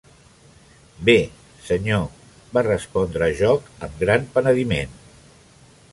Bé, senyor, va respondre Jock amb gran penediment.